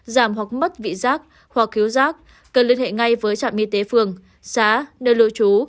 giảm hoặc mất vị giác hoặc khiếu giác cần liên hệ ngay với trạm y tế phường xã nơi lưu trú